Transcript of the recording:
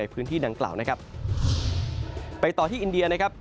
ไปต่อที่อินเดียนะครับ